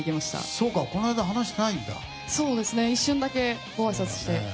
そうですね、一瞬だけご挨拶して。